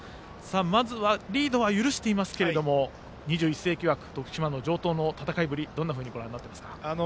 まずはリードは許していますけど２１世紀枠、城東の戦いぶりどうご覧になっていますか。